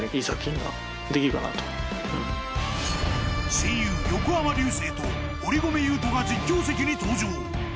親友・横浜流星と堀米雄斗が実況席に登場。